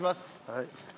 はい。